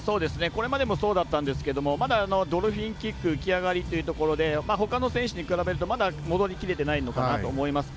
これまでもそうだったんですけどまだドルフィンキック浮き上がりというところでほかの選手に比べるとまだ戻りきれていないのかなと思います。